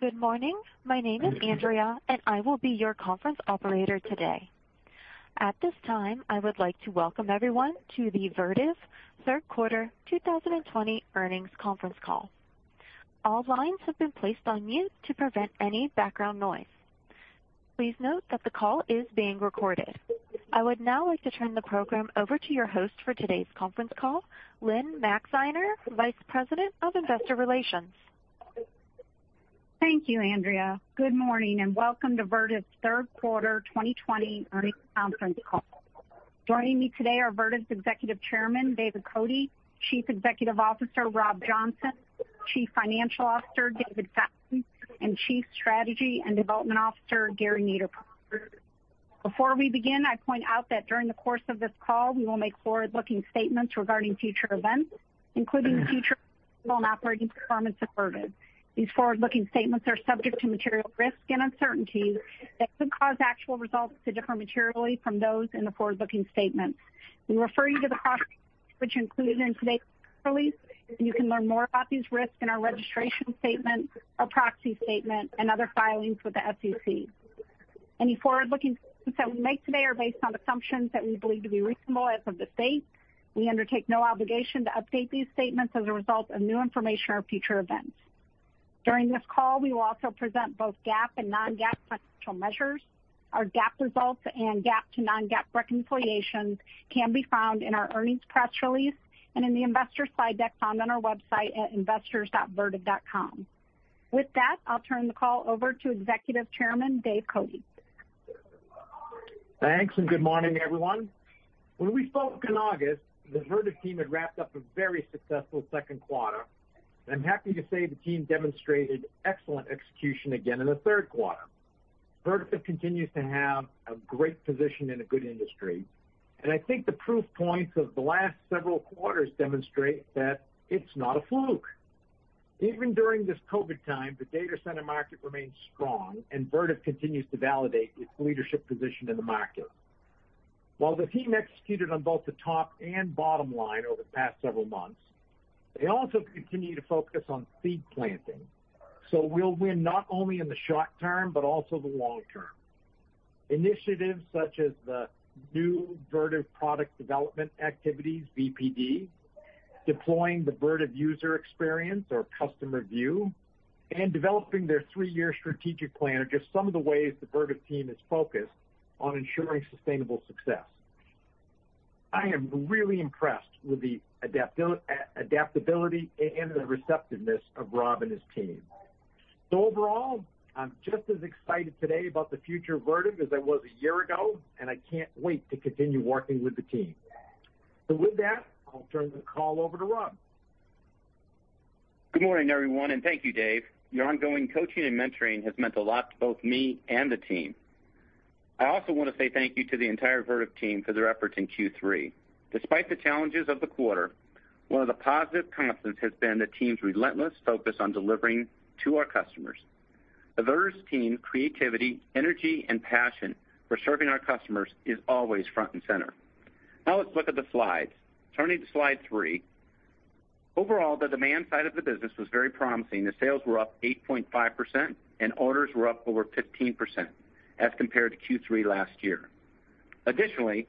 Good morning. My name is Andrea, and I will be your conference operator today. At this time, I would like to welcome everyone to the Vertiv Third Quarter 2020 Earnings Conference Call. All lines have been placed on mute to prevent any background noise. Please note that the call is being recorded. I would now like to turn the program over to your host for today's conference call, Lynne Maxeiner, Vice President of Investor Relations. Thank you, Andrea. Good morning, and welcome to Vertiv's Third Quarter 2020 Earnings Conference Call. Joining me today are Vertiv's Executive Chairman, David Cote, Chief Executive Officer, Rob Johnson, Chief Financial Officer, David Fallon, and Chief Strategy and Development Officer, Gary Niederpruem. Before we begin, I point out that during the course of this call, we will make forward-looking statements regarding future events, including future and operating performance of Vertiv. These forward-looking statements are subject to material risks and uncertainties that could cause actual results to differ materially from those in the forward-looking statements. We refer you to the cross-referencing included in today's release, and you can learn more about these risks in our registration statement, our proxy statement, and other filings with the SEC. Any forward-looking statements that we make today are based on assumptions that we believe to be reasonable as of this date. We undertake no obligation to update these statements as a result of new information or future events. During this call, we will also present both GAAP and non-GAAP financial measures. Our GAAP results and GAAP to non-GAAP reconciliations can be found in our earnings press release and in the investor slide deck found on our website at investors.vertiv.com. With that, I'll turn the call over to Executive Chairman, Dave Cote. Thanks. Good morning, everyone. When we spoke in August, the Vertiv team had wrapped up a very successful second quarter. I'm happy to say the team demonstrated excellent execution again in the third quarter. Vertiv continues to have a great position in a good industry, and I think the proof points of the last several quarters demonstrate that it's not a fluke. Even during this COVID time, the data center market remains strong, and Vertiv continues to validate its leadership position in the market. While the team executed on both the top and bottom line over the past several months, they also continue to focus on seed planting. We'll win not only in the short term but also the long term. Initiatives such as the new Vertiv Product Development activities, VPD, deploying the Vertiv user experience or customer view, and developing their three-year strategic plan are just some of the ways the Vertiv team is focused on ensuring sustainable success. I am really impressed with the adaptability and the receptiveness of Rob and his team. Overall, I'm just as excited today about the future of Vertiv as I was a year ago, and I can't wait to continue working with the team. With that, I'll turn the call over to Rob Johnson. Good morning, everyone, and thank you, Dave. Your ongoing coaching and mentoring has meant a lot to both me and the team. I also want to say thank you to the entire Vertiv team for their efforts in Q3. Despite the challenges of the quarter, one of the positive constants has been the team's relentless focus on delivering to our customers. The Vertiv team's creativity, energy, and passion for serving our customers is always front and center. Now let's look at the slides. Turning to slide three. Overall, the demand side of the business was very promising. The sales were up 8.5% and orders were up over 15% as compared to Q3 last year. Additionally,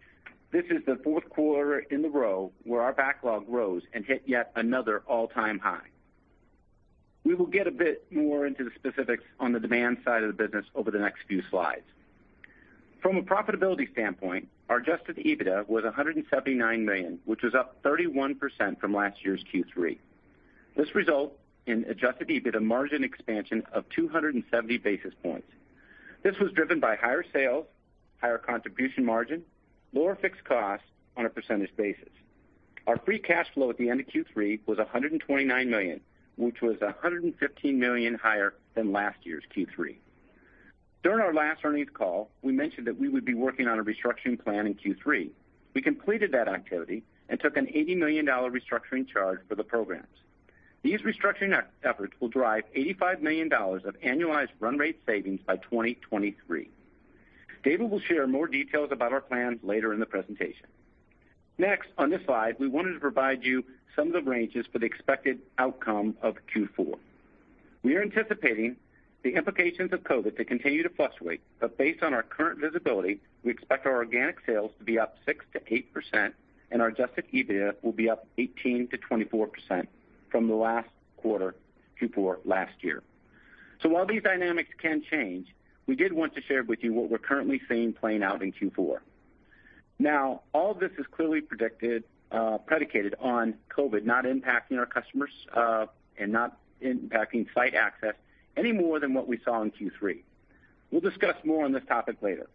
this is the fourth quarter in a row where our backlog rose and hit yet another all-time high. We will get a bit more into the specifics on the demand side of the business over the next few slides. From a profitability standpoint, our adjusted EBITDA was $179 million, which was up 31% from last year's Q3. This result in adjusted EBITDA margin expansion of 270 basis points. This was driven by higher sales, higher contribution margin, lower fixed costs on a percentage basis. Our free cash flow at the end of Q3 was $129 million, which was $115 million higher than last year's Q3. During our last earnings call, we mentioned that we would be working on a restructuring plan in Q3. We completed that activity and took an $80 million restructuring charge for the programs. These restructuring efforts will drive $85 million of annualized run rate savings by 2023. David will share more details about our plans later in the presentation. Next, on this slide, we wanted to provide you some of the ranges for the expected outcome of Q4. We are anticipating the implications of COVID to continue to fluctuate, based on our current visibility, we expect our organic sales to be up 6%-8% and our adjusted EBITDA will be up 18%-24% from the last quarter, Q4 last year. While these dynamics can change, we did want to share with you what we're currently seeing playing out in Q4. All this is clearly predicated on COVID not impacting our customers and not impacting site access any more than what we saw in Q3. We'll discuss more on this topic later.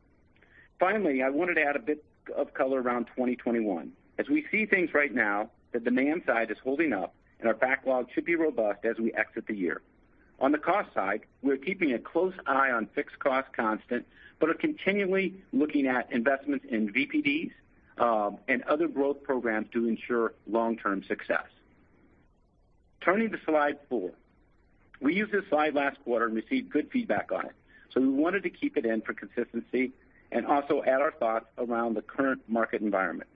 Finally, I wanted to add a bit of color around 2021. As we see things right now, the demand side is holding up and our backlog should be robust as we exit the year. On the cost side, we're keeping a close eye on fixed cost constant, but are continually looking at investments in VPDs and other growth programs to ensure long-term success. Turning to slide four. We used this slide last quarter and received good feedback on it. We wanted to keep it in for consistency and also add our thoughts around the current market environment.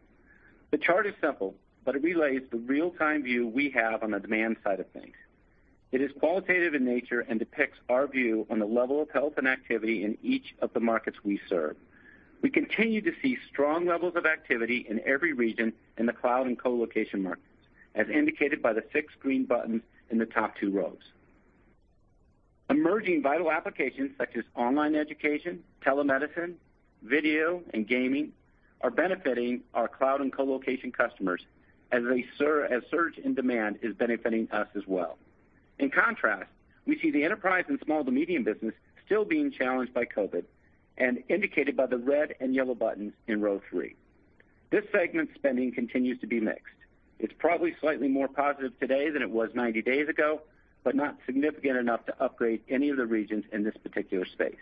The chart is simple. It relays the real-time view we have on the demand side of things. It is qualitative in nature and depicts our view on the level of health and activity in each of the markets we serve. We continue to see strong levels of activity in every region in the cloud and colocation markets, as indicated by the six green buttons in the top two rows. Emerging vital applications such as online education, telemedicine, video, and gaming are benefiting our cloud and colocation customers as surge in demand is benefiting us as well. In contrast, we see the enterprise and small to medium business still being challenged by COVID, and indicated by the red and yellow buttons in row three. This segment spending continues to be mixed. It's probably slightly more positive today than it was 90 days ago, but not significant enough to upgrade any of the regions in this particular space.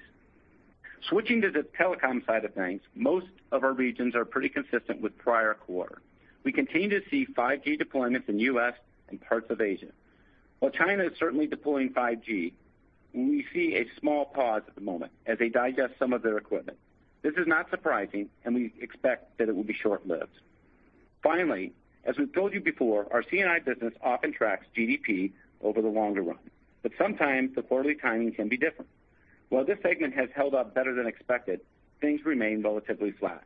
Switching to the telecom side of things, most of our regions are pretty consistent with prior quarter. We continue to see 5G deployments in U.S. and parts of Asia. While China is certainly deploying 5G, we see a small pause at the moment as they digest some of their equipment. This is not surprising, and we expect that it will be short-lived. Finally, as we've told you before, our Commercial and Industrial business often tracks Gross Domestic Product over the longer run, but sometimes the quarterly timing can be different. While this segment has held up better than expected, things remain relatively flat.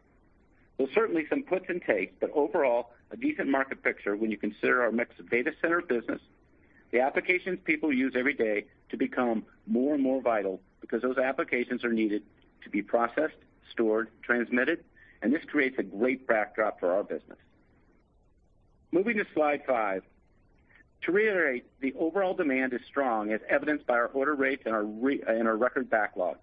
There's certainly some puts and takes, but overall, a decent market picture when you consider our mix of data center business. The applications people use every day to become more and more vital because those applications are needed to be processed, stored, transmitted, and this creates a great backdrop for our business. Moving to slide five. To reiterate, the overall demand is strong, as evidenced by our order rates and our record backlog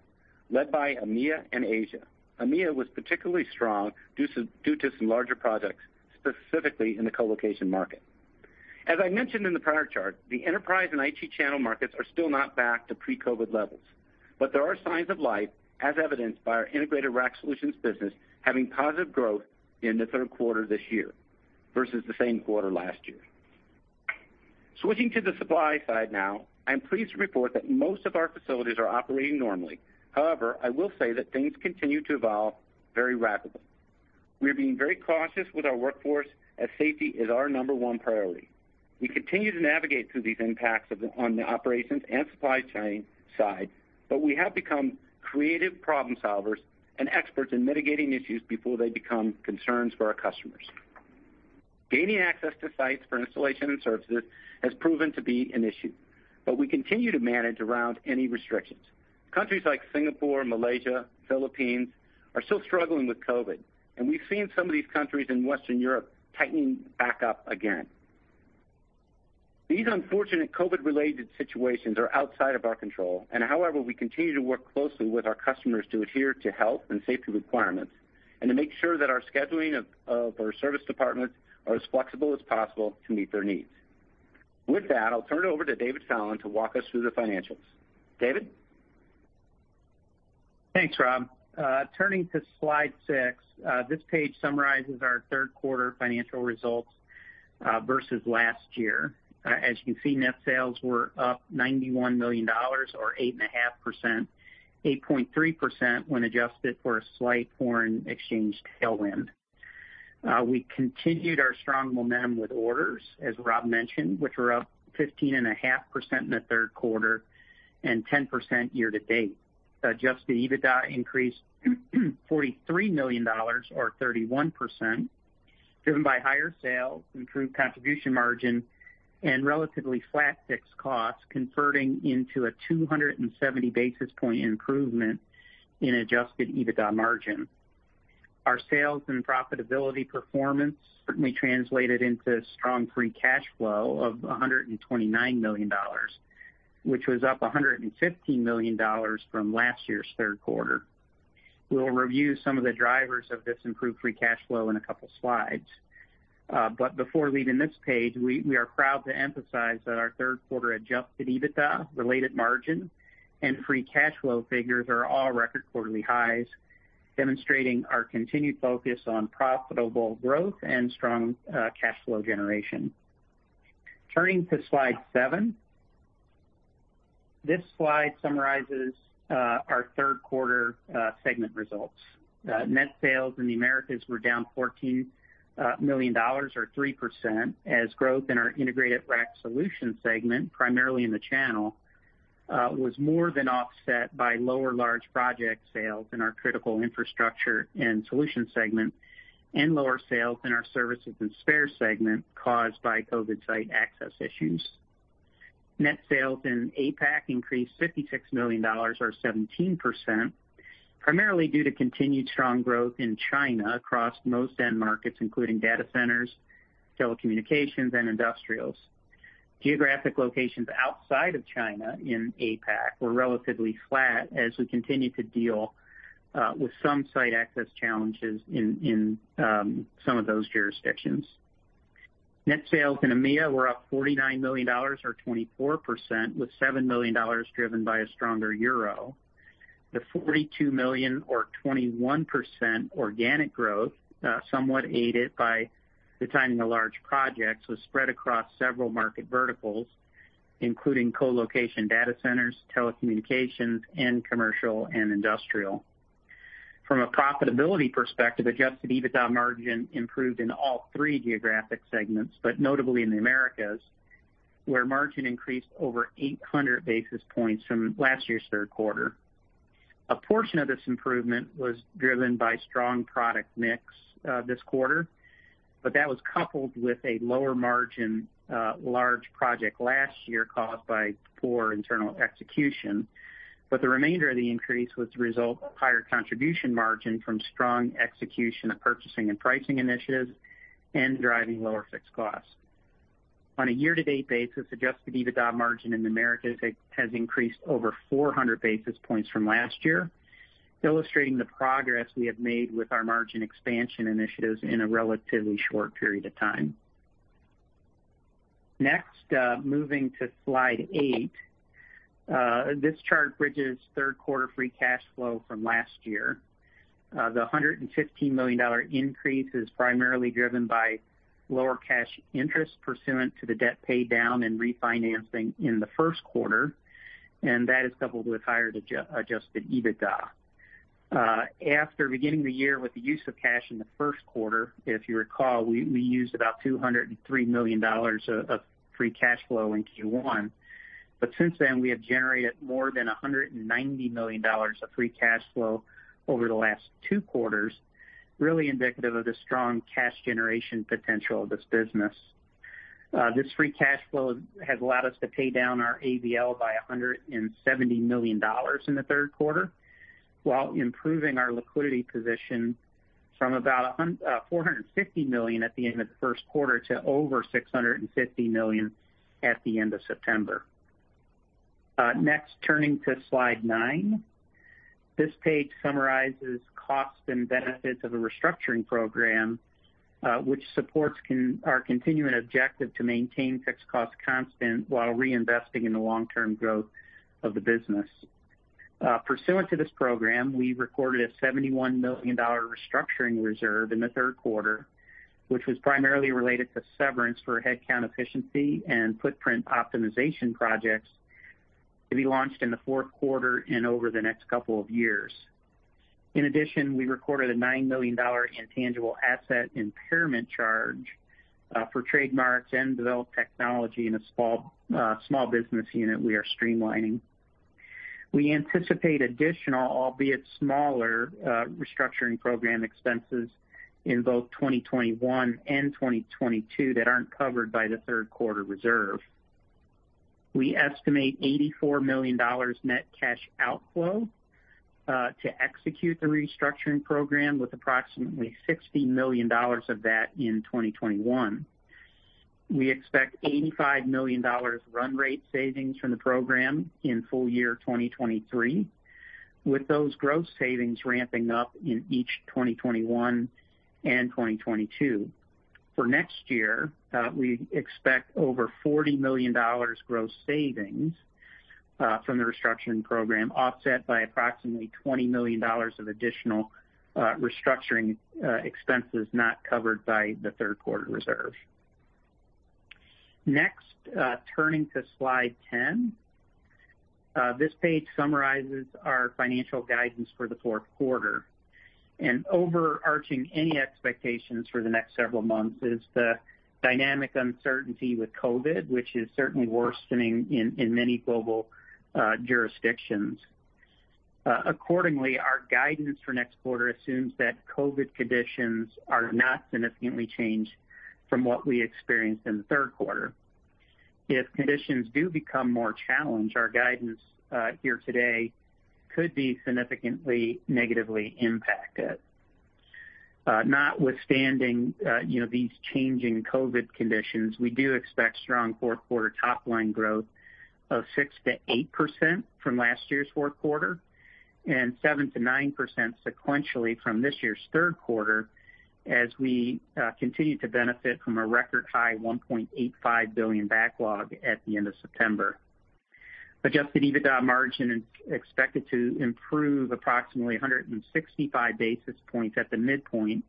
led by EMEA and Asia. EMEA was particularly strong due to some larger projects, specifically in the colocation market. As I mentioned in the prior chart, the enterprise and Information Technology channel markets are still not back to pre-COVID levels. There are signs of life, as evidenced by our Integrated Rack Solutions business having positive growth in the third quarter this year versus the same quarter last year. Switching to the supply side now, I'm pleased to report that most of our facilities are operating normally. However, I will say that things continue to evolve very rapidly. We are being very cautious with our workforce, as safety is our number one priority. We continue to navigate through these impacts on the operations and supply chain side, but we have become creative problem-solvers and experts in mitigating issues before they become concerns for our customers. Gaining access to sites for installation and services has proven to be an issue, but we continue to manage around any restrictions. Countries like Singapore, Malaysia, Philippines are still struggling with COVID, and we've seen some of these countries in Western Europe tightening back up again. These unfortunate COVID-related situations are outside of our control. However, we continue to work closely with our customers to adhere to health and safety requirements and to make sure that our scheduling of our service departments are as flexible as possible to meet their needs. With that, I'll turn it over to David Fallon to walk us through the financials. David? Thanks, Rob. Turning to slide six. This page summarizes our third quarter financial results versus last year. As you can see, net sales were up $91 million, or 8.5%, 8.3% when adjusted for a slight foreign exchange tailwind. We continued our strong momentum with orders, as Rob mentioned, which were up 15.5% in the third quarter and 10% year to date. Adjusted EBITDA increased $43 million, or 31%, driven by higher sales, improved contribution margin, and relatively flat fixed costs, converting into a 270 basis point improvement in adjusted EBITDA margin. Our sales and profitability performance certainly translated into strong free cash flow of $129 million, which was up $115 million from last year's third quarter. We will review some of the drivers of this improved free cash flow in a couple slides. Before leaving this page, we are proud to emphasize that our third quarter adjusted EBITDA, related margin, and free cash flow figures are all record quarterly highs, demonstrating our continued focus on profitable growth and strong cash flow generation. Turning to slide seven. This slide summarizes our third quarter segment results. Net sales in the Americas were down $14 million, or 3%, as growth in our Integrated Rack Solutions segment, primarily in the channel, was more than offset by lower large project sales in our critical infrastructure and solutions segment and lower sales in our services and spares segment caused by COVID site access issues. Net sales in APAC increased $56 million, or 17%, primarily due to continued strong growth in China across most end markets, including data centers, telecommunications, and industrials. Geographic locations outside of China in APAC were relatively flat as we continue to deal with some site access challenges in some of those jurisdictions. Net sales in EMEA were up $49 million, or 24%, with $7 million driven by a stronger euro. The $42 million or 21% organic growth, somewhat aided by the timing of large projects, was spread across several market verticals, including colocation data centers, telecommunications, and commercial and industrial. From a profitability perspective, adjusted EBITDA margin improved in all three geographic segments, but notably in the Americas, where margin increased over 800 basis points from last year's third quarter. A portion of this improvement was driven by strong product mix this quarter, but that was coupled with a lower margin large project last year caused by poor internal execution. The remainder of the increase was the result of higher contribution margin from strong execution of purchasing and pricing initiatives and driving lower fixed costs. On a year-to-date basis, adjusted EBITDA margin in Americas has increased over 400 basis points from last year, illustrating the progress we have made with our margin expansion initiatives in a relatively short period of time. Next, moving to slide eight. This chart bridges third quarter free cash flow from last year. The $115 million increase is primarily driven by lower cash interest pursuant to the debt paydown and refinancing in the first quarter, and that is coupled with higher adjusted EBITDA. After beginning the year with the use of cash in the first quarter, if you recall, we used about $203 million of free cash flow in Q1. Since then, we have generated more than $190 million of free cash flow over the last two quarters, really indicative of the strong cash generation potential of this business. This free cash flow has allowed us to pay down our Asset-Based Lending by $170 million in the third quarter while improving our liquidity position from about $450 million at the end of the first quarter to over $650 million at the end of September. Turning to slide nine. This page summarizes costs and benefits of a restructuring program, which supports our continuing objective to maintain fixed cost constant while reinvesting in the long-term growth of the business. Pursuant to this program, we recorded a $71 million restructuring reserve in the third quarter, which was primarily related to severance for headcount efficiency and footprint optimization projects to be launched in the fourth quarter and over the next couple of years. In addition, we recorded a $9 million intangible asset impairment charge for trademarks and developed technology in a small business unit we are streamlining. We anticipate additional, albeit smaller, restructuring program expenses in both 2021 and 2022 that aren't covered by the third quarter reserve. We estimate $84 million net cash outflow to execute the restructuring program, with approximately $60 million of that in 2021. We expect $85 million run rate savings from the program in full year 2023, with those gross savings ramping up in each 2021 and 2022. For next year, we expect over $40 million gross savings from the restructuring program, offset by approximately $20 million of additional restructuring expenses not covered by the third quarter reserve. Next, turning to slide 10. This page summarizes our financial guidance for the fourth quarter. Overarching any expectations for the next several months is the dynamic uncertainty with COVID, which is certainly worsening in many global jurisdictions. Accordingly, our guidance for next quarter assumes that COVID conditions are not significantly changed from what we experienced in the third quarter. If conditions do become more challenged, our guidance here today could be significantly negatively impacted. Notwithstanding these changing COVID conditions, we do expect strong fourth quarter top-line growth of 6% to 8% from last year's fourth quarter, and 7% to 9% sequentially from this year's third quarter, as we continue to benefit from a record-high $1.85 billion backlog at the end of September. Adjusted EBITDA margin is expected to improve approximately 165 basis points at the midpoint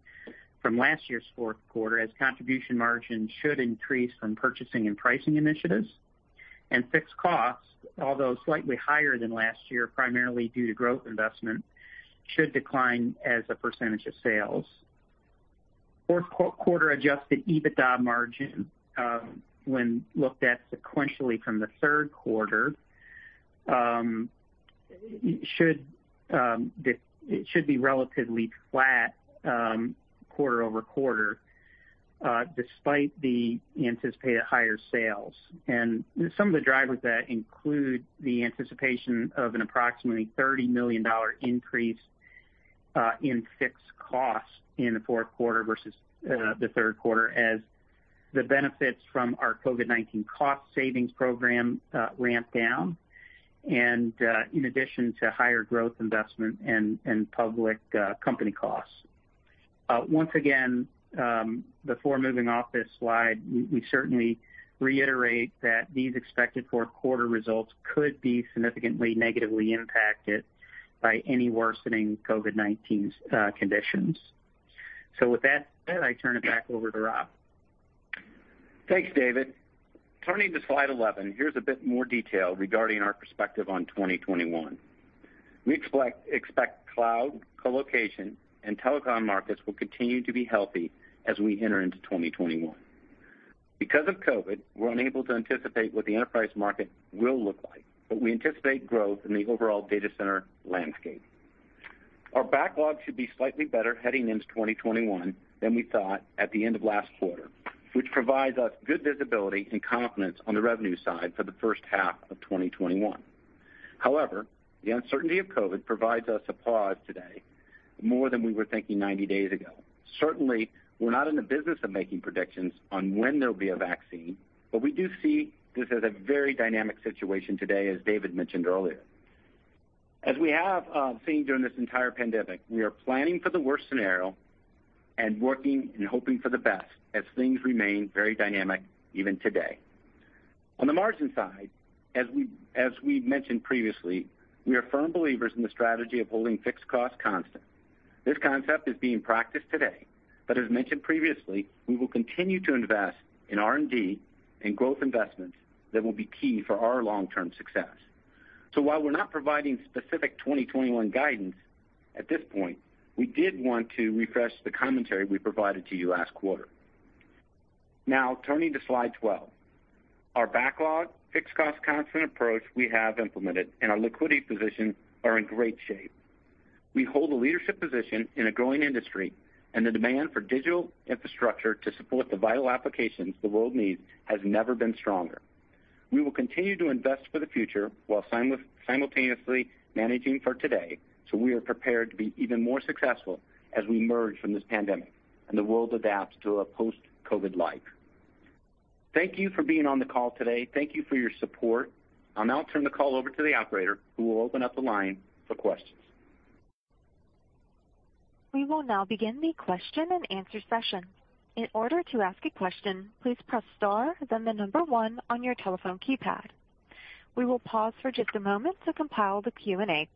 from last year's fourth quarter, as contribution margin should increase from purchasing and pricing initiatives. Fixed costs, although slightly higher than last year, primarily due to growth investment, should decline as a % of sales. Fourth quarter adjusted EBITDA margin, when looked at sequentially from the third quarter, it should be relatively flat quarter-over-quarter, despite the anticipated higher sales. Some of the drivers that include the anticipation of an approximately $30 million increase in fixed costs in the fourth quarter versus the third quarter as the benefits from our COVID-19 cost savings program ramp down, and in addition to higher growth investment and public company costs. Once again, before moving off this slide, we certainly reiterate that these expected fourth quarter results could be significantly negatively impacted by any worsening COVID-19 conditions. With that said, I turn it back over to Rob. Thanks, David. Turning to slide 11, here's a bit more detail regarding our perspective on 2021. We expect cloud, co-location, and telecom markets will continue to be healthy as we enter into 2021. Because of COVID, we're unable to anticipate what the enterprise market will look like, but we anticipate growth in the overall data center landscape. Our backlog should be slightly better heading into 2021 than we thought at the end of last quarter, which provides us good visibility and confidence on the revenue side for the first half of 2021. The uncertainty of COVID provides us a pause today, more than we were thinking 90 days ago. Certainly, we're not in the business of making predictions on when there'll be a vaccine, but we do see this as a very dynamic situation today, as David mentioned earlier. As we have seen during this entire pandemic, we are planning for the worst scenario and working and hoping for the best as things remain very dynamic even today. On the margin side, as we've mentioned previously, we are firm believers in the strategy of holding fixed cost constant. This concept is being practiced today, but as mentioned previously, we will continue to invest in R&D and growth investments that will be key for our long-term success. While we're not providing specific 2021 guidance at this point, we did want to refresh the commentary we provided to you last quarter. Now turning to slide 12. Our backlog fixed cost constant approach we have implemented and our liquidity position are in great shape. We hold a leadership position in a growing industry, and the demand for digital infrastructure to support the vital applications the world needs has never been stronger. We will continue to invest for the future while simultaneously managing for today, so we are prepared to be even more successful as we emerge from this pandemic and the world adapts to a post-COVID life. Thank you for being on the call today. Thank you for your support. I'll now turn the call over to the operator, who will open up the line for questions. We will now begin the question and answer session. In order to ask a question, please press star then the number one on your telephone keypad. We will pause for just a moment to compile the Q&A.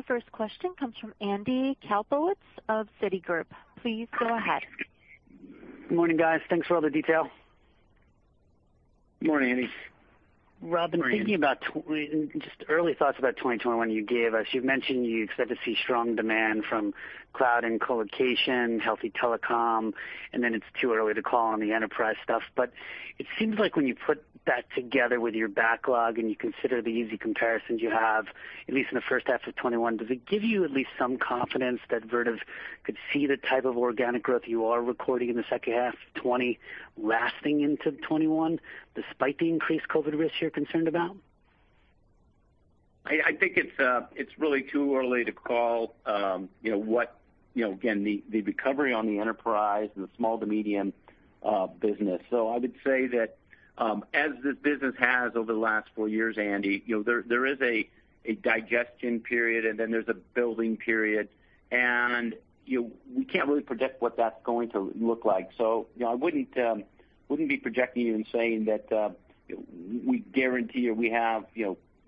The first question comes from Andy Kaplowitz of Citigroup. Please go ahead. Morning, guys. Thanks for all the detail. Morning, Andy. Rob, just early thoughts about 2021 you gave us. You've mentioned you expect to see strong demand from cloud and co-location, healthy telecom, and then it's too early to call on the enterprise stuff. It seems like when you put that together with your backlog and you consider the easy comparisons you have, at least in the first half of 2021, does it give you at least some confidence that Vertiv could see the type of organic growth you are recording in the second half 2020 lasting into 2021, despite the increased COVID risks you're concerned about? I think it's really too early to call again, the recovery on the enterprise and the small to medium business. I would say that, as this business has over the last four years, Andy, there is a digestion period, and then there's a building period, and we can't really predict what that's going to look like. I wouldn't be projecting and saying that we guarantee or we have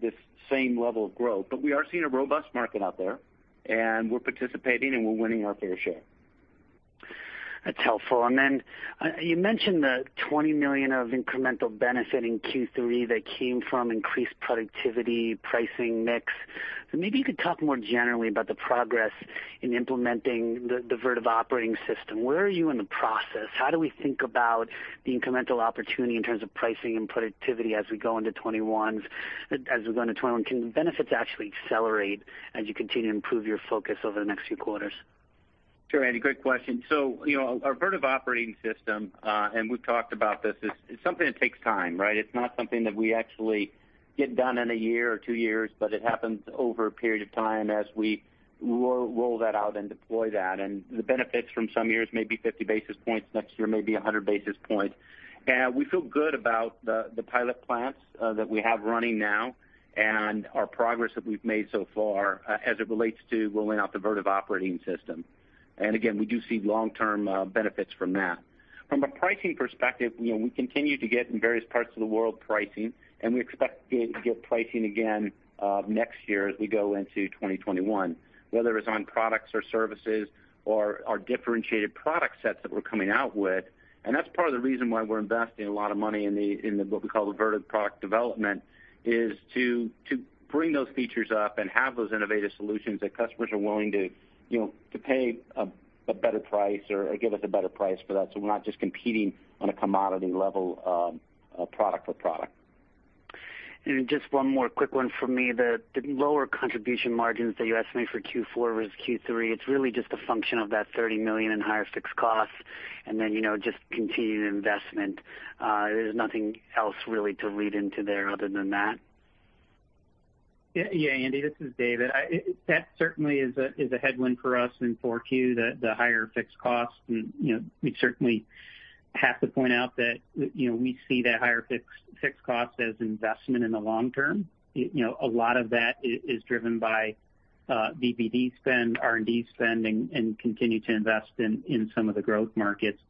this same level of growth. We are seeing a robust market out there, and we're participating, and we're winning our fair share. That's helpful. Then you mentioned the $20 million of incremental benefit in Q3 that came from increased productivity, pricing mix. Maybe you could talk more generally about the progress in implementing the Vertiv Operating System. Where are you in the process? How do we think about the incremental opportunity in terms of pricing and productivity as we go into 2021? Can benefits actually accelerate as you continue to improve your focus over the next few quarters? Sure, Andy, great question. Our Vertiv Operating System, and we've talked about this, is something that takes time, right? It's not something that we actually get done in one year or two years, but it happens over a period of time as we roll that out and deploy that. The benefits from some years may be 50 basis points. Next year may be 100 basis points. We feel good about the pilot plants that we have running now and our progress that we've made so far as it relates to rolling out the Vertiv Operating System. Again, we do see long-term benefits from that. From a pricing perspective, we continue to get in various parts of the world pricing, and we expect to get pricing again next year as we go into 2021, whether it's on products or services or our differentiated product sets that we're coming out with. That's part of the reason why we're investing a lot of money in the, what we call the Vertiv product development, is to bring those features up and have those innovative solutions that customers are willing to pay a better price or give us a better price for that, so we're not just competing on a commodity level product for product. Just one more quick one for me. The lower contribution margins that you estimate for Q4 versus Q3, it's really just a function of that $30 million in higher fixed costs and then just continued investment. There's nothing else really to read into there other than that? Andy, this is David. That certainly is a headwind for us in 4Q, the higher fixed costs. We certainly have to point out that we see that higher fixed cost as investment in the long term. A lot of that is driven by R&D spend, and continue to invest in some of the growth markets.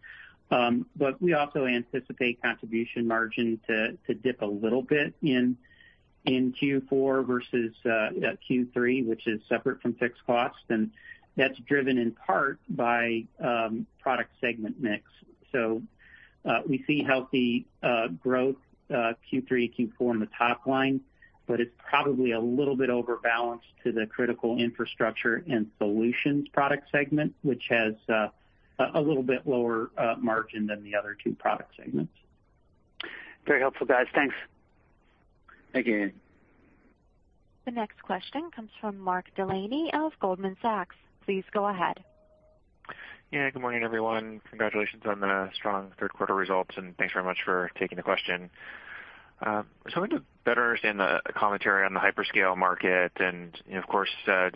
We also anticipate contribution margin to dip a little bit in Q4 versus Q3, which is separate from fixed costs, and that's driven in part by product segment mix. We see healthy growth Q3, Q4 in the top line, but it's probably a little bit over-balanced to the critical infrastructure and solutions product segment, which has a little bit lower margin than the other two product segments. Very helpful, guys. Thanks. Thank you. The next question comes from Mark Delaney of Goldman Sachs. Please go ahead. Yeah. Good morning, everyone. Congratulations on the strong third quarter results, and thanks very much for taking the question. I want to better understand the commentary on the hyperscale market and of course, as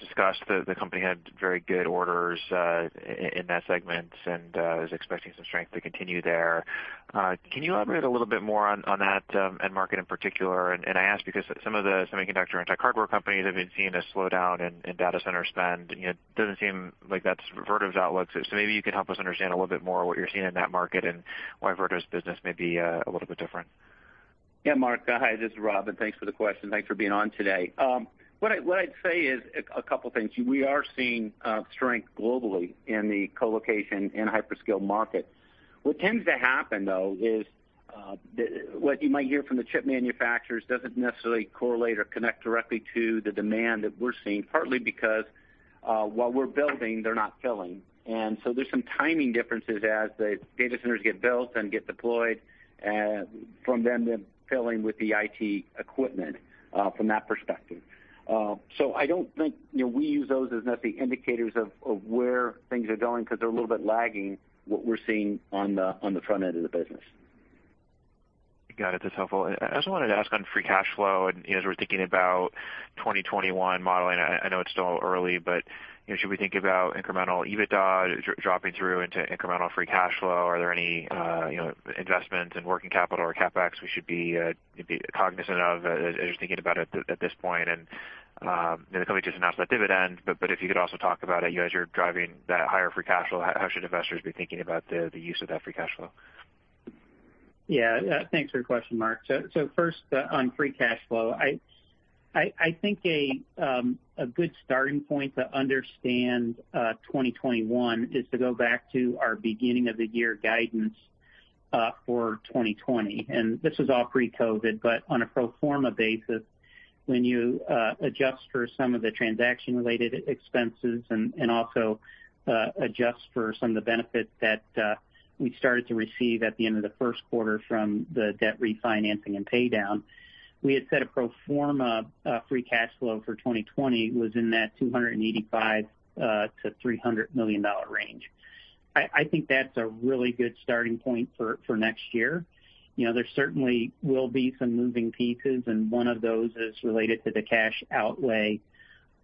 discussed, the company had very good orders in that segment and is expecting some strength to continue there. Can you elaborate a little bit more on that end market in particular? I ask because some of the semiconductor and tech hardware companies have been seeing a slowdown in data center spend. It doesn't seem like that's Vertiv's outlook. Maybe you could help us understand a little bit more what you're seeing in that market and why Vertiv's business may be a little bit different. Yeah, Mark. Hi, this is Rob, thanks for the question. Thanks for being on today. What I'd say is a couple things. We are seeing strength globally in the colocation and hyperscale markets. What tends to happen, though, is what you might hear from the chip manufacturers doesn't necessarily correlate or connect directly to the demand that we're seeing, partly because while we're building, they're not filling. There's some timing differences as the data centers get built and get deployed from them then filling with the IT equipment from that perspective. I don't think we use those as necessary indicators of where things are going because they're a little bit lagging what we're seeing on the front end of the business. Got it. That's helpful. I also wanted to ask on free cash flow, and as we're thinking about 2021 modeling, I know it's still early, but should we think about incremental EBITDA dropping through into incremental free cash flow? Are there any investments in working capital or CapEx we should be cognizant of as you're thinking about it at this point? The company just announced that dividend, but if you could also talk about it as you're driving that higher free cash flow, how should investors be thinking about the use of that free cash flow? Yeah. Thanks for your question, Mark. First, on free cash flow, I think a good starting point to understand 2021 is to go back to our beginning of the year guidance for 2020. This is all pre-COVID, but on a pro forma basis, when you adjust for some of the transaction-related expenses and also adjust for some of the benefits that we started to receive at the end of the first quarter from the debt refinancing and pay down, we had said a pro forma free cash flow for 2020 was in that $285 million-$300 million range. I think that's a really good starting point for next year. There certainly will be some moving pieces, and one of those is related to the cash outlay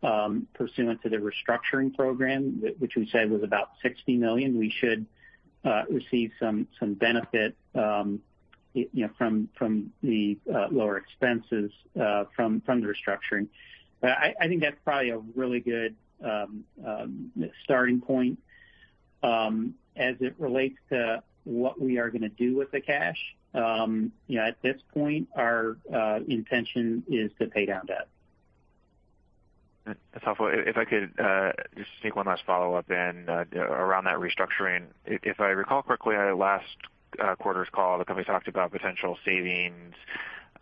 pursuant to the restructuring program, which we said was about $60 million. We should receive some benefit from the lower expenses from the restructuring. I think that's probably a really good starting point. As it relates to what we are going to do with the cash, at this point our intention is to pay down debt. That's helpful. If I could just sneak one last follow-up in around that restructuring. If I recall correctly, at last quarter's call, the company talked about potential savings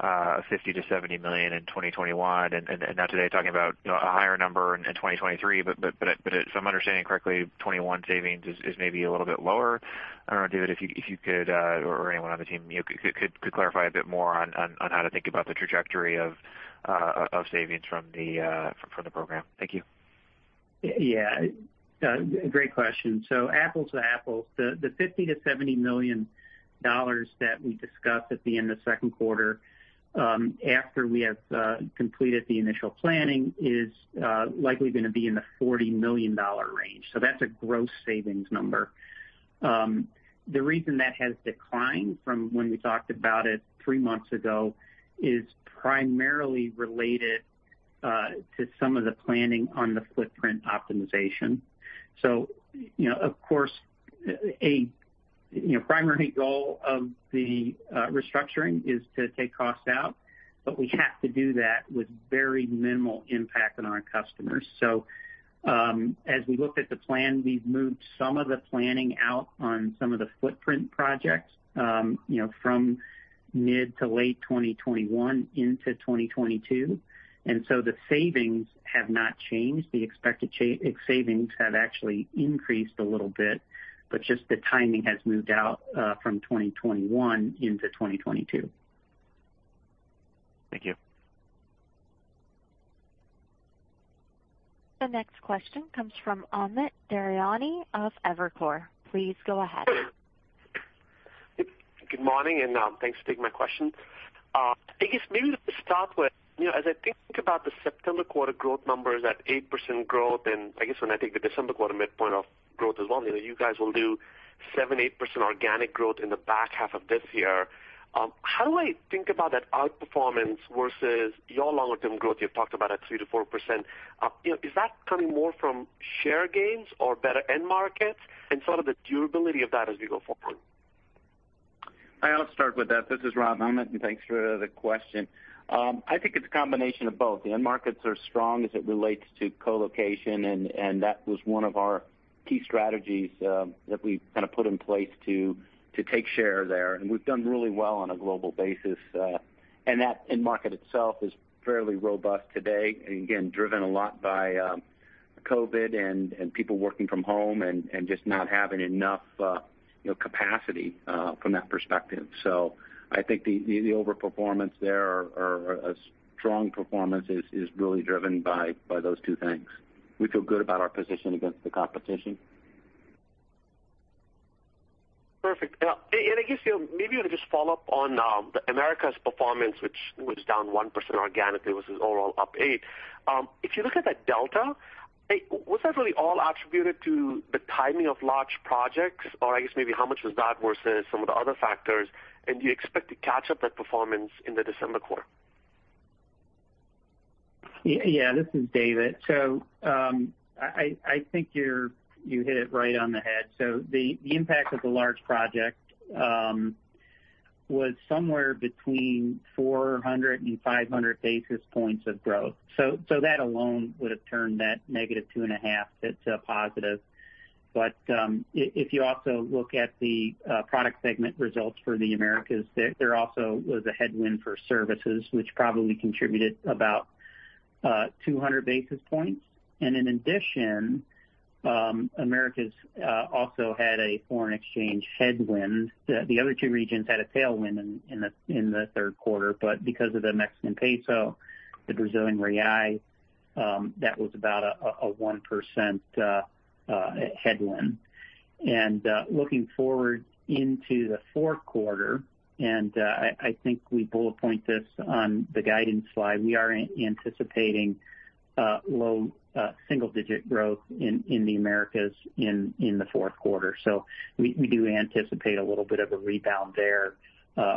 of $50 million-$70 million in 2021, and now today talking about a higher number in 2023. If I'm understanding correctly, 2021 savings is maybe a little bit lower. I don't know, David, if you could, or anyone on the team, could clarify a bit more on how to think about the trajectory of savings from the program. Thank you. Yeah. Great question. Apples to apples. The $50 million-$70 million that we discussed at the end of the second quarter, after we have completed the initial planning, is likely going to be in the $40 million range. That's a gross savings number. The reason that has declined from when we talked about it three months ago is primarily related to some of the planning on the footprint optimization. Of course, a primary goal of the restructuring is to take costs out, but we have to do that with very minimal impact on our customers. As we looked at the plan, we've moved some of the planning out on some of the footprint projects from mid to late 2021 into 2022. The savings have not changed. The expected savings have actually increased a little bit. Just the timing has moved out from 2021 into 2022. Thank you. The next question comes from Amit Daryanani of Evercore. Please go ahead. Good morning, thanks for taking my question. I guess maybe to start with, as I think about the September quarter growth numbers, that 8% growth, I guess when I take the December quarter midpoint of growth as well, you guys will do 7%, 8% organic growth in the back half of this year. How do I think about that outperformance versus your longer-term growth? You've talked about at 3% to 4%. Is that coming more from share gains or better end markets and some of the durability of that as we go forward? I'll start with that. This is Rob Johnson, thanks for the question. I think it's a combination of both. The end markets are strong as it relates to co-location, and that was one of our key strategies that we put in place to take share there, and we've done really well on a global basis. That end market itself is fairly robust today, and again, driven a lot by COVID and people working from home and just not having enough capacity from that perspective. I think the overperformance there or a strong performance is really driven by those two things. We feel good about our position against the competition. Perfect. I guess maybe I'll just follow up on the Americas performance, which was down 1% organically, versus overall up 8%. If you look at that delta, was that really all attributed to the timing of large projects, or I guess maybe how much was that versus some of the other factors? Do you expect to catch up that performance in the December quarter? This is David. I think you hit it right on the head. The impact of the large project was somewhere between 400 basis points and 500 basis points of growth. That alone would have turned that -2.5% to a positive. If you also look at the product segment results for the Americas, there also was a headwind for services, which probably contributed about 200 basis points. In addition, Americas also had a foreign exchange headwind. The other two regions had a tailwind in the third quarter. Because of the Mexican peso, the Brazilian real, that was about a 1% headwind. Looking forward into the fourth quarter, and I think we bullet point this on the guidance slide, we are anticipating low single-digit growth in the Americas in the fourth quarter. We do anticipate a little bit of a rebound there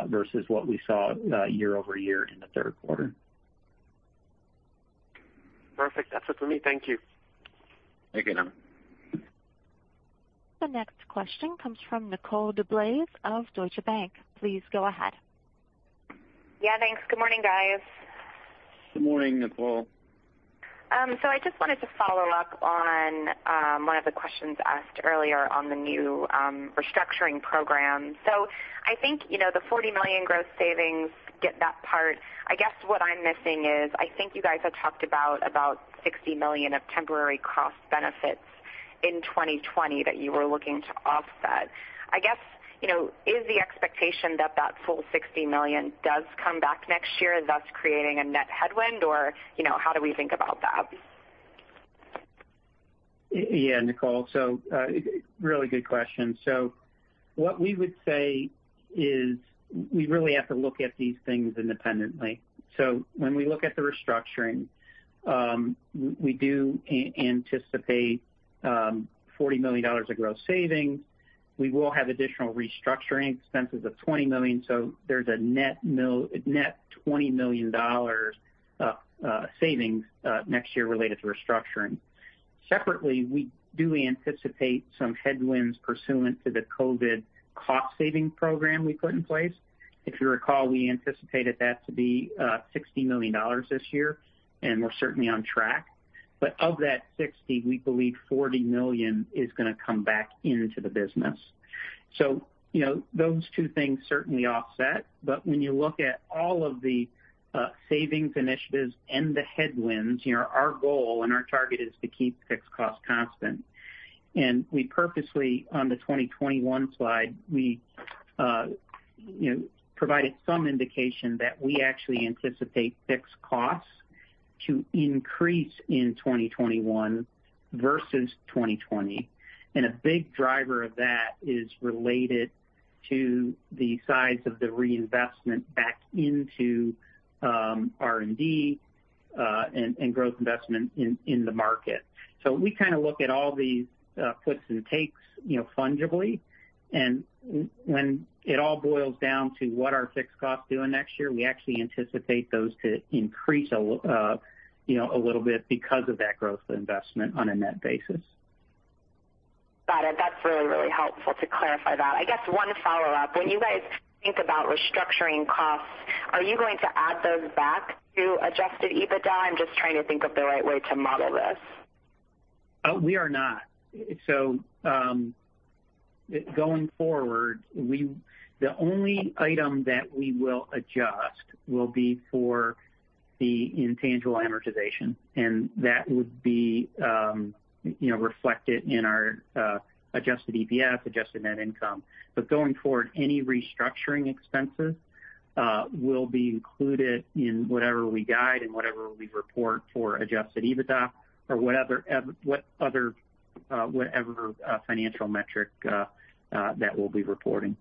versus what we saw year-over-year in the third quarter. Perfect. That's it for me. Thank you. Thank you. The next question comes from Nicole DeBlase of Deutsche Bank. Please go ahead. Yeah, thanks. Good morning, guys. Good morning, Nicole. I just wanted to follow up on one of the questions asked earlier on the new restructuring program. I think, the $40 million gross savings, get that part. I guess what I'm missing is, I think you guys had talked about $60 million of temporary cost benefits in 2020 that you were looking to offset. I guess, is the expectation that full $60 million does come back next year, thus creating a net headwind? How do we think about that? Yeah, Nicole. Really good question. What we would say is we really have to look at these things independently. When we look at the restructuring, we do anticipate $40 million of gross savings. We will have additional restructuring expenses of $20 million, there's a net $20 million savings next year related to restructuring. Separately, we do anticipate some headwinds pursuant to the COVID cost-saving program we put in place. If you recall, we anticipated that to be $60 million this year, and we're certainly on track. Of that 60, we believe $40 million is going to come back into the business. Those two things certainly offset. When you look at all of the savings initiatives and the headwinds, our goal and our target is to keep fixed cost constant. We purposely, on the 2021 slide, we provided some indication that we actually anticipate fixed costs to increase in 2021 versus 2020. A big driver of that is related to the size of the reinvestment back into R&D and growth investment in the market. We look at all these puts and takes fungibly. When it all boils down to what are fixed costs doing next year, we actually anticipate those to increase a little bit because of that growth investment on a net basis. Got it. That's really helpful to clarify that. I guess one follow-up. When you guys think about restructuring costs, are you going to add those back to adjusted EBITDA? I'm just trying to think of the right way to model this. We are not. Going forward, the only item that we will adjust will be for the intangible amortization, and that would be reflected in our adjusted EPS, adjusted net income. Going forward, any restructuring expenses will be included in whatever we guide and whatever we report for adjusted EBITDA or whatever financial metric that we'll be reporting. Okay.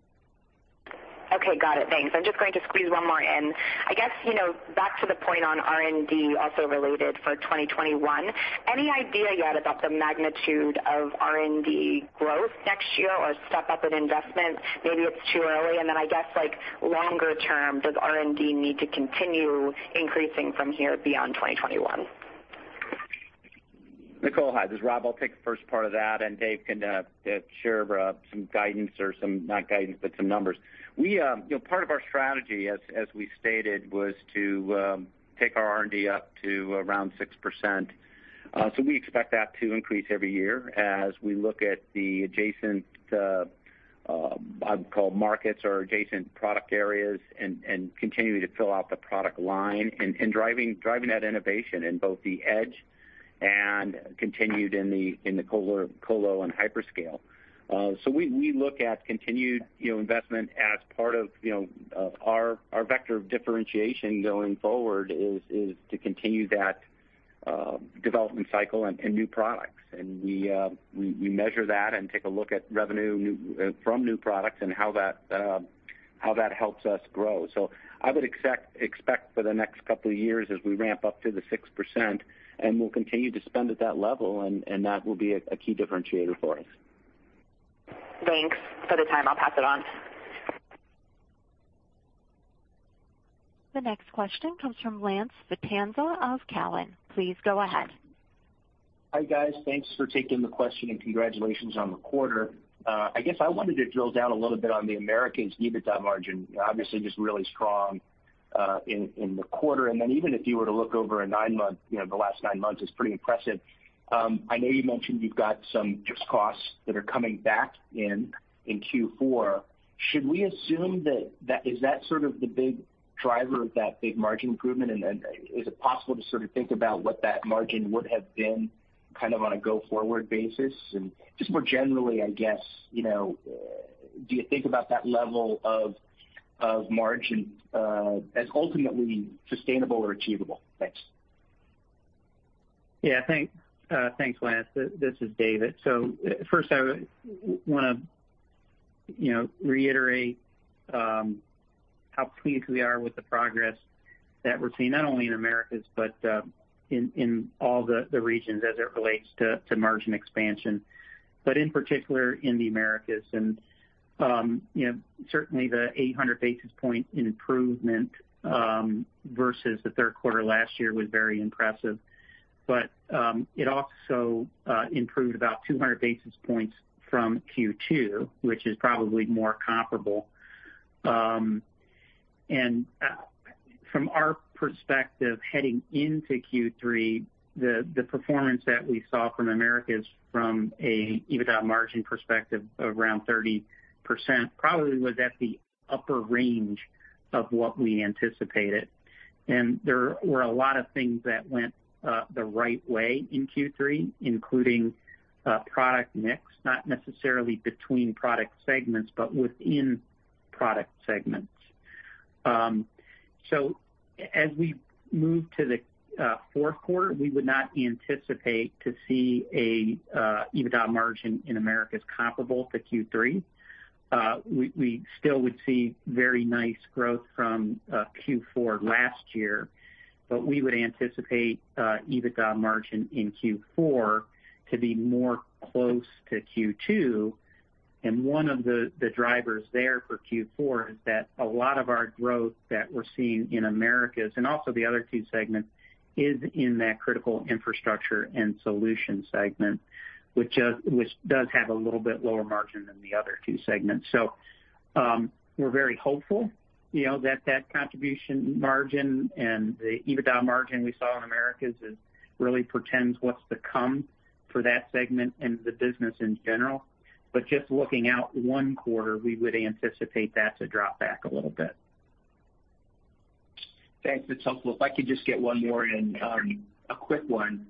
Got it. Thanks. I'm just going to squeeze one more in. I guess, back to the point on R&D, also related for 2021, any idea yet about the magnitude of R&D growth next year or step up in investment? Maybe it's too early, and then I guess longer term, does R&D need to continue increasing from here beyond 2021? Nicole, hi. This is Rob. I'll take the first part of that. Dave can share some guidance or some, not guidance, but some numbers. Part of our strategy, as we stated, was to take our R&D up to around 6%. We expect that to increase every year as we look at the adjacent, I would call markets or adjacent product areas, and continuing to fill out the product line and driving that innovation in both the edge and continued in the colocation and hyperscale. We look at continued investment as part of our vector of differentiation going forward is to continue that development cycle and new products. We measure that and take a look at revenue from new products and how that helps us grow. I would expect for the next couple of years as we ramp up to the 6%, and we'll continue to spend at that level, and that will be a key differentiator for us. Thanks for the time. I'll pass it on. The next question comes from Lance Vitanza of Cowen. Please go ahead. Hi, guys. Thanks for taking the question and congratulations on the quarter. I guess I wanted to drill down a little bit on the Americas EBITDA margin. Obviously, just really strong in the quarter. Even if you were to look over the last nine months, it's pretty impressive. I know you mentioned you've got some just costs that are coming back in in Q4. Should we assume that is that sort of the big driver of that big margin improvement, and is it possible to sort of think about what that margin would have been kind of on a go-forward basis? Just more generally, I guess, do you think about that level of margin as ultimately sustainable or achievable? Thanks. Thanks, Lance. This is David. First I want to reiterate how pleased we are with the progress that we're seeing, not only in Americas but in all the regions as it relates to margin expansion, but in particular in the Americas. Certainly the 800 basis point improvement versus the third quarter last year was very impressive. It also improved about 200 basis points from Q2, which is probably more comparable. From our perspective, heading into Q3, the performance that we saw from Americas from a EBITDA margin perspective of around 30% probably was at the upper range of what we anticipated. There were a lot of things that went the right way in Q3, including product mix, not necessarily between product segments but within product segments. As we move to the fourth quarter, we would not anticipate to see a EBITDA margin in Americas comparable to Q3. We still would see very nice growth from Q4 last year, but we would anticipate EBITDA margin in Q4 to be more close to Q2. One of the drivers there for Q4 is that a lot of our growth that we're seeing in Americas, and also the other two segments, is in that Integrated Rack Solutions segment, which does have a little bit lower margin than the other two segments. We're very hopeful that that contribution margin and the EBITDA margin we saw in Americas is really portends what's to come for that segment and the business in general. Just looking out one quarter, we would anticipate that to drop back a little bit. Thanks. That's helpful. If I could just get one more in. Sure. A quick one.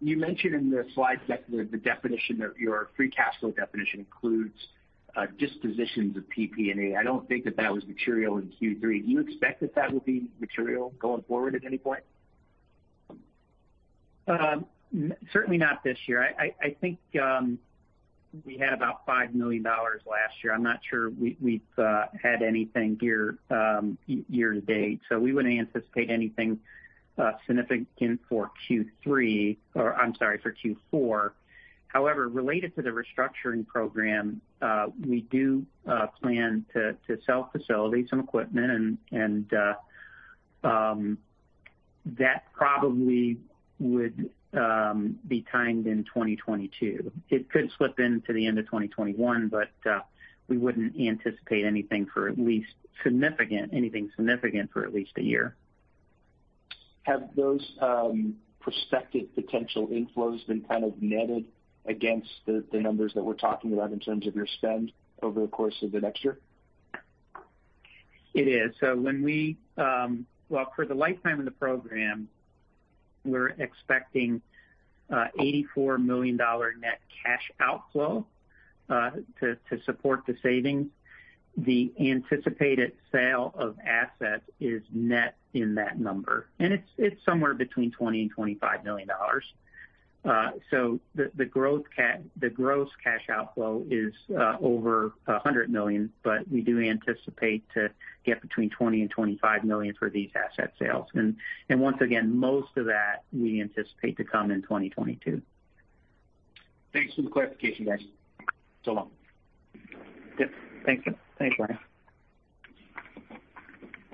You mentioned in the slide deck the definition of your free cash flow definition includes dispositions of Property, Plant and Equipment. I don't think that that was material in Q3. Do you expect that that will be material going forward at any point? Certainly not this year. I think we had about $5 million last year. I'm not sure we've had anything year to date, so we wouldn't anticipate anything significant for Q3, or I'm sorry, for Q4. However, related to the restructuring program, we do plan to sell facilities, some equipment, and that probably would be timed in 2022. It could slip into the end of 2021, but we wouldn't anticipate anything significant for at least a year.. Have those prospective potential inflows been kind of netted against the numbers that we're talking about in terms of your spend over the course of the next year? It is. Well, for the lifetime of the program, we're expecting $84 million net cash outflow. To support the savings. The anticipated sale of assets is net in that number, and it's somewhere between $20 million and $25 million. The gross cash outflow is over $100 million, but we do anticipate to get between $20 million and $25 million for these asset sales. Once again, most of that we anticipate to come in 2022. Thanks for the clarification, guys. So long. Yep. Thanks. Thanks, Lance.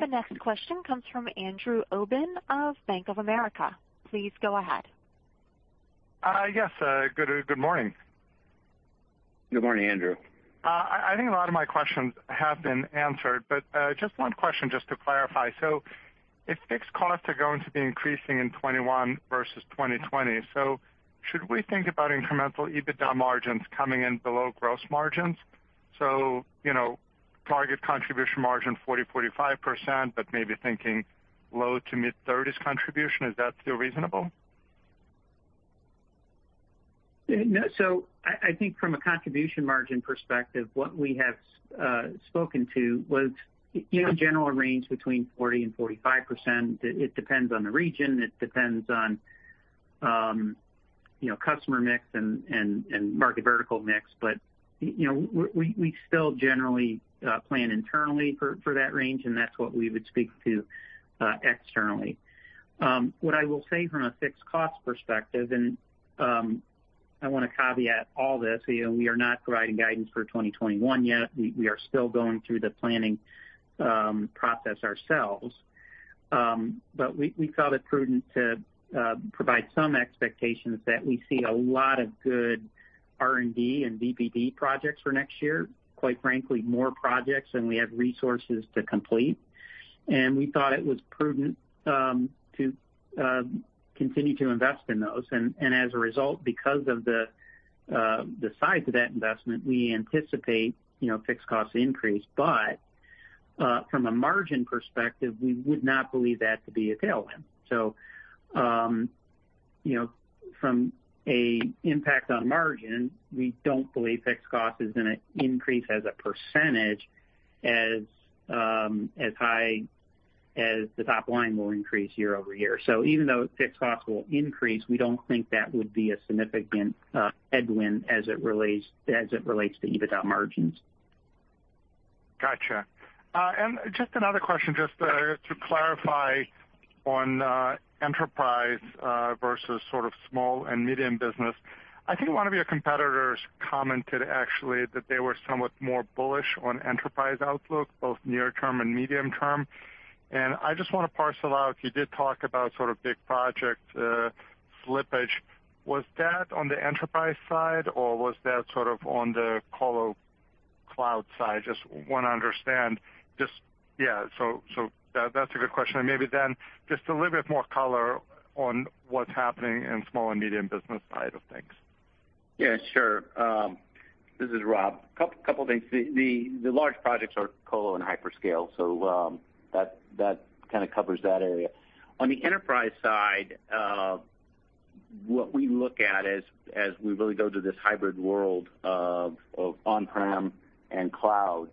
The next question comes from Andrew Obin of Bank of America. Please go ahead. Yes. Good morning. Good morning, Andrew. I think a lot of my questions have been answered, just one question just to clarify. If fixed costs are going to be increasing in 2021 versus 2020, should we think about incremental EBITDA margins coming in below gross margins? Target contribution margin 40%-45%, maybe thinking low to mid-30s contribution, is that still reasonable? No. I think from a contribution margin perspective, what we have spoken to was in a general range between 40% and 45%. It depends on the region, it depends on customer mix and market vertical mix, we still generally plan internally for that range, and that's what we would speak to externally. What I will say from a fixed cost perspective, I want to caveat all this, we are not providing guidance for 2021 yet. We are still going through the planning process ourselves. We felt it prudent to provide some expectations that we see a lot of good R&D and NPD projects for next year, quite frankly, more projects than we have resources to complete. We thought it was prudent to continue to invest in those. As a result, because of the size of that investment, we anticipate fixed cost increase, but from a margin perspective, we would not believe that to be a tailwind. From an impact on margin, we don't believe fixed cost is going to increase as a percentage as high as the top line will increase year-over-year. Even though fixed costs will increase, we don't think that would be a significant headwind as it relates to EBITDA margins. Got you. Just another question just to clarify on enterprise versus sort of small and medium business. I think one of your competitors commented actually that they were somewhat more bullish on enterprise outlook, both near term and medium term. I just want to parse it out. You did talk about sort of big project slippage. Was that on the enterprise side or was that sort of on the colocation cloud side? Just want to understand. Yeah. That's a good question. Maybe then just a little bit more color on what's happening in small and medium business side of things. Yeah, sure. This is Rob. Couple of things. The large projects are colocation and hyperscale, that kind of covers that area. On the enterprise side, what we look at as we really go to this hybrid world of on-prem and cloud,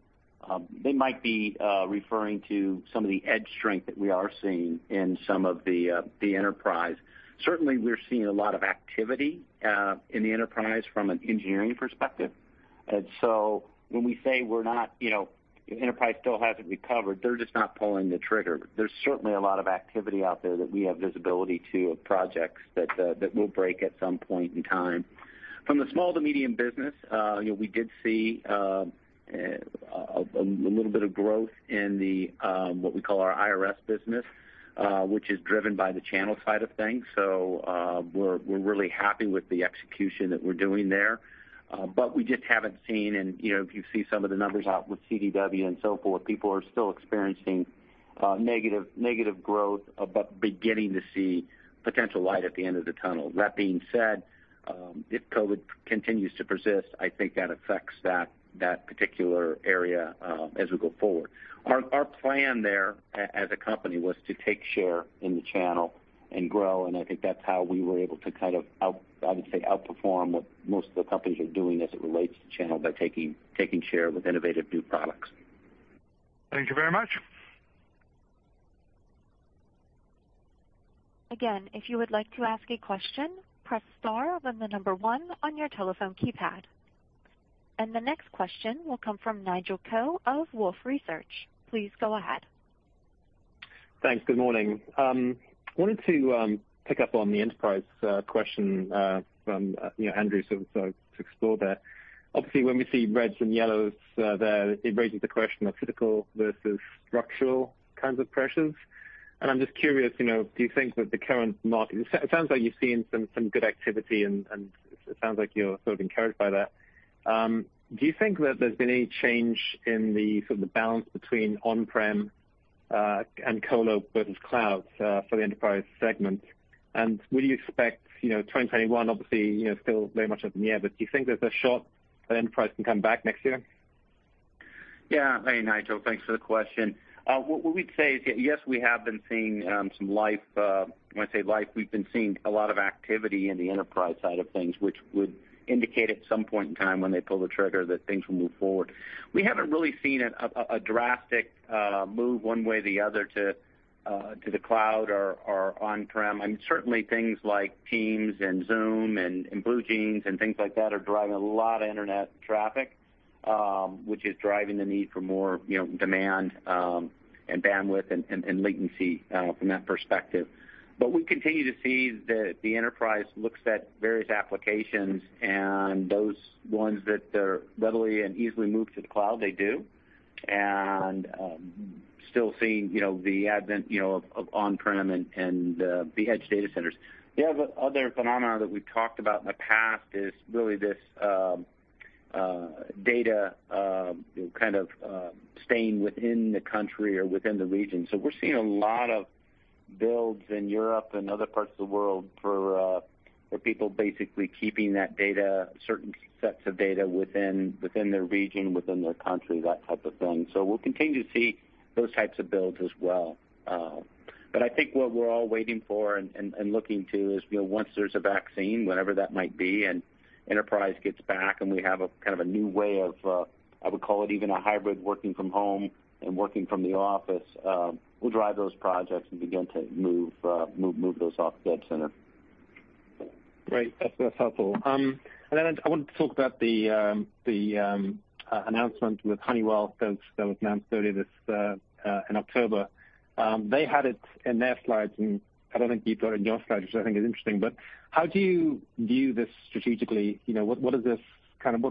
they might be referring to some of the edge strength that we are seeing in some of the enterprise. Certainly, we're seeing a lot of activity in the enterprise from an engineering perspective. When we say enterprise still hasn't recovered, they're just not pulling the trigger. There's certainly a lot of activity out there that we have visibility to of projects that will break at some point in time. From the small to medium business, we did see a little bit of growth in what we call our IRS business, which is driven by the channel side of things. We're really happy with the execution that we're doing there. We just haven't seen, and if you see some of the numbers out with CDW and so forth, people are still experiencing negative growth, but beginning to see potential light at the end of the tunnel. That being said, if COVID continues to persist, I think that affects that particular area as we go forward. Our plan there as a company was to take share in the channel and grow, and I think that's how we were able to kind of, I would say, outperform what most of the companies are doing as it relates to channel by taking share with innovative new products. Thank you very much. Again, if you would like to ask a question, press star, then the number one on your telephone keypad. The next question will come from Nigel Coe of Wolfe Research. Please go ahead. Thanks. Good morning. Wanted to pick up on the enterprise question from Andrew to explore that. Obviously, when we see reds and yellows there, it raises the question of cyclical versus structural kinds of pressures. I'm just curious. It sounds like you've seen some good activity, and it sounds like you're sort of encouraged by that. Do you think that there's been any change in the sort of the balance between on-premise and colocation versus cloud for the enterprise segment? Would you expect 2021, obviously, still very much up in the air, but do you think there's a shot that enterprise can come back next year? Hey, Nigel, thanks for the question. What we'd say is that, yes, we have been seeing some life. When I say life, we've been seeing a lot of activity in the enterprise side of things, which would indicate at some point in time, when they pull the trigger, that things will move forward. We haven't really seen a drastic move one way or the other to the cloud or on-prem. Certainly things like Teams and Zoom and BlueJeans and things like that are driving a lot of internet traffic, which is driving the need for more demand, and bandwidth, and latency from that perspective. We continue to see that the enterprise looks at various applications, and those ones that are readily and easily moved to the cloud, they do. Still seeing the advent of on-prem and the edge data centers. The other phenomena that we've talked about in the past is really this data kind of staying within the country or within the region. We're seeing a lot of builds in Europe and other parts of the world for people basically keeping that data, certain sets of data, within their region, within their country, that type of thing. We'll continue to see those types of builds as well. I think what we're all waiting for and looking to is, once there's a vaccine, whenever that might be, and enterprise gets back, and we have a kind of a new way of, I would call it even a hybrid, working from home and working from the office, we'll drive those projects and begin to move those off dead center. Great. That's helpful. I wanted to talk about the announcement with Honeywell that was announced earlier in October. They had it in their slides, I don't think you've got it in your slides, which I think is interesting. How do you view this strategically? What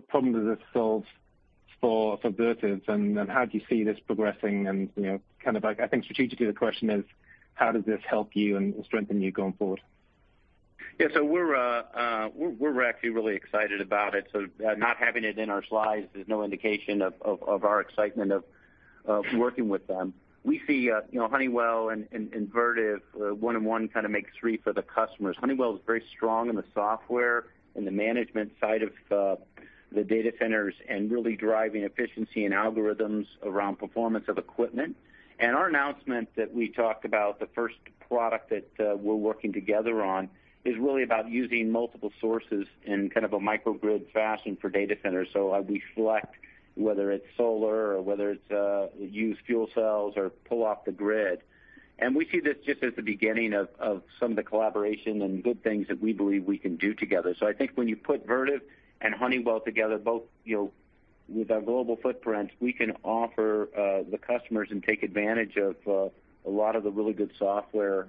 problem does this solve for Vertiv, how do you see this progressing? I think strategically the question is how does this help you and strengthen you going forward? Yeah. We're actually really excited about it, so not having it in our slides is no indication of our excitement of working with them. We see Honeywell and Vertiv, one and one kind of makes three for the customers. Honeywell is very strong in the software and the management side of the data centers, and really driving efficiency and algorithms around performance of equipment. Our announcement that we talked about, the first product that we're working together on, is really about using multiple sources in kind of a microgrid fashion for data centers. We select whether it's solar or whether it's used fuel cells or pull off the grid. We see this just as the beginning of some of the collaboration and good things that we believe we can do together. I think when you put Vertiv and Honeywell together, both with our global footprints, we can offer the customers and take advantage of a lot of the really good software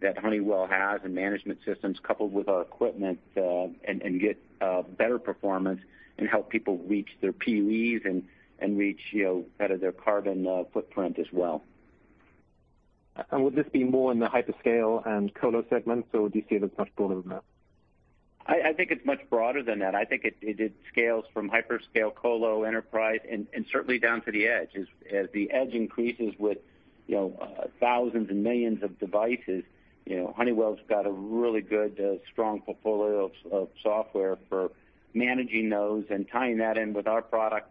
that Honeywell has and management systems coupled with our equipment, and get better performance and help people reach their Power Usage Effectiveness and reach better their carbon footprint as well. Would this be more in the hyperscale and colocation segments, or do you see it as much broader than that? I think it's much broader than that. I think it scales from hyperscale, colocation, enterprise, and certainly down to the edge. As the edge increases with thousands and millions of devices, Honeywell's got a really good, strong portfolio of software for managing those, and tying that in with our product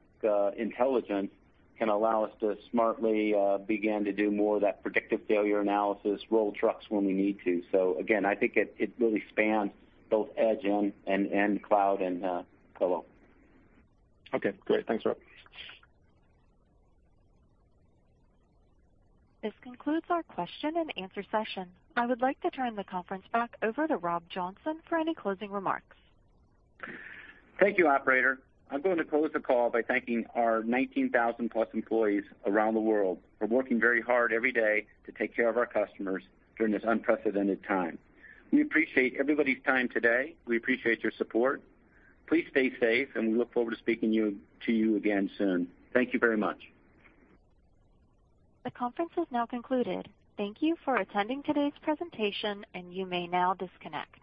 intelligence can allow us to smartly begin to do more of that predictive failure analysis, roll trucks when we need to. Again, I think it really spans both edge and cloud and colocation. Okay, great. Thanks, Rob. This concludes our question and answer session. I would like to turn the conference back over to Rob Johnson for any closing remarks. Thank you, operator. I'm going to close the call by thanking our 19,000+ employees around the world for working very hard every day to take care of our customers during this unprecedented time. We appreciate everybody's time today. We appreciate your support. Please stay safe, and we look forward to speaking to you again soon. Thank you very much. The conference is now concluded. Thank you for attending today's presentation, and you may now disconnect.